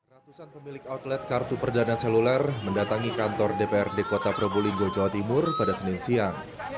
ratusan pemilik outlet kartu perdana seluler mendatangi kantor dprd kota probolinggo jawa timur pada senin siang